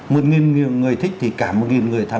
một nghìn người thích thì cả một nghìn người thích